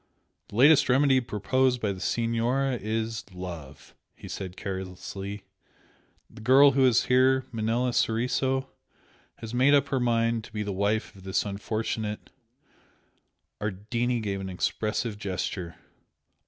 "The latest remedy proposed by the Signora is love!" he said, carelessly "The girl who is here, Manella Soriso has made up her mind to be the wife of this unfortunate " Ardini gave an expressive gesture.